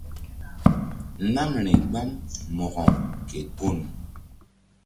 Namri gbam Mo̧ko ke gun.